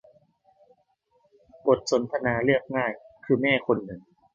บทสนทนาเรียบง่ายคือแม่คนหนึ่ง